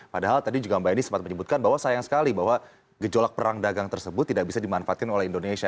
padahal tadi juga mbak eni sempat menyebutkan bahwa sayang sekali bahwa gejolak perang dagang tersebut tidak bisa dimanfaatkan oleh indonesia